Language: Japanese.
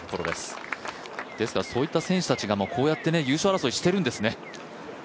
ですからそういった選手たちが、こうやって優勝争いしているんですね。